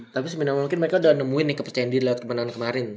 tapi sebenarnya mungkin mereka udah nemuin nih kepercayaan diri lewat kemenangan kemarin